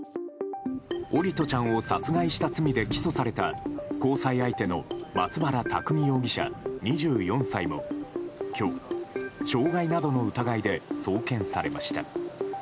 桜利斗ちゃんを殺害した罪で起訴された交際相手の松原拓海容疑者、２４歳も今日、傷害などの疑いで送検されました。